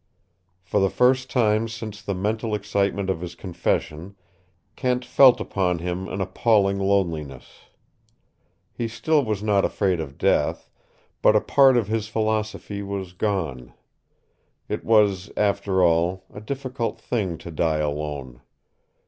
For the first time since the mental excitement of his confession Kent felt upon him an appalling loneliness. He still was not afraid of death, but a part of his philosophy was gone. It was, after all, a difficult thing to die alone.